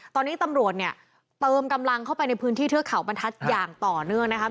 ตอนนี้ตำรวจเนี่ยเติมกำลังเข้าไปในพื้นที่เทือกเขาบรรทัศน์อย่างต่อเนื่องนะครับ